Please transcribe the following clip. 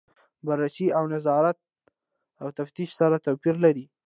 بررسي او نظارت او تفتیش سره توپیر لري.